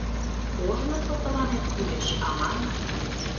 Ожнысо тыланет кӱлеш аман.